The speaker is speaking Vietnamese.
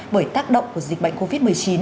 bởi tác động của dịch bệnh covid một mươi chín